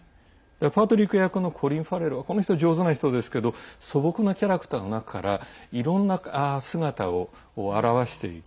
パードリック役のコリン・ファレルはこの人、上手な人ですけど素朴なキャラクターの中からいろんな姿を現していく。